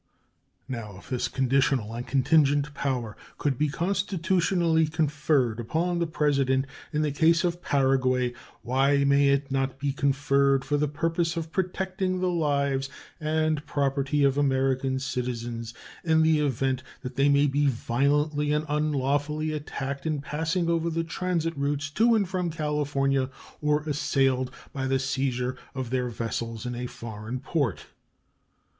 Now, if this conditional and contingent power could be constitutionally conferred upon the President in the case of Paraguay, why may it not be conferred for the purpose of protecting the lives and property of American citizens in the event that they may be violently and unlawfully attacked in passing over the transit routes to and from California or assailed by the seizure of their vessels in a foreign port?